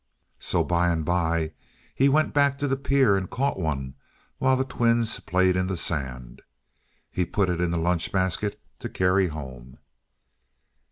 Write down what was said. So by and by he went back to the pier and caught one while the twins played in the sand. He put it in the lunch basket to carry home.